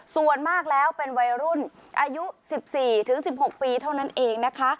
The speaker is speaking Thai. ส่วนมากแล้วเป็นวัยรุ่นอายุ๑๔๑๖ปีเท่านั้นเองนะคะ